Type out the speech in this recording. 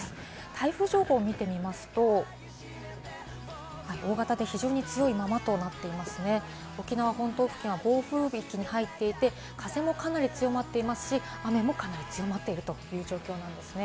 台風情報を見てみますと、大型で非常に強いままとなってますね、沖縄本島付近は暴風域に入っていて、風もかなり強まっていますし、雨もかなり強まっているという状況なんですね。